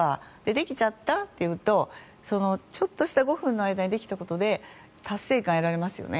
できちゃった？って言うとちょっとした５分の間にできたことで達成感を得られますよね。